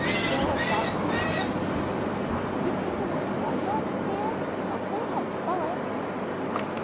Jill looked doubtfully at Sam. "Could you paint the word 'Bethel,' Sam? I'll tell you how to spell it."